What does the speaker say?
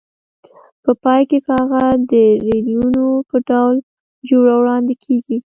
په پای کې کاغذ د ریلونو په ډول جوړ او وړاندې کېږي.